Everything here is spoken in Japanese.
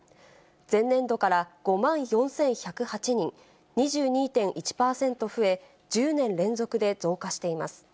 前年度から５万４１０８人、２２．１％増え、１０年連続で増加しています。